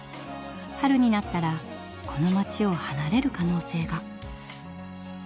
春になったらこの街をはなれる可能性が。